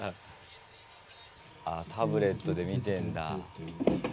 あっタブレットで見てんだ。